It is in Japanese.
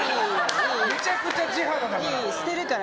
めちゃくちゃ地肌だから。